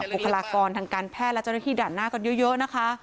คลากรทางการแพทย์และเจ้าหน้าที่ด่านหน้ากันเยอะนะคะ